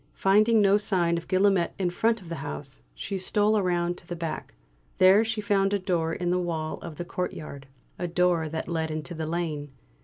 Finding no sign of Guillaumet in front of the house, she stole round to the back. There she found a door in the wall of the courtyard a door that led into the lane.